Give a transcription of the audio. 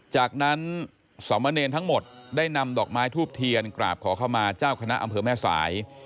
จากนั้นสมเนรทั้งหมดได้นำดอกไม้ทูบเทียนกราบขอเข้ามาเจ้าคณะอำเภอแม่สาย